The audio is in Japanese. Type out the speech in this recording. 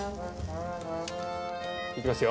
いきますよ。